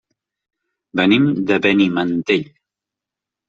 Venim de Benimantell.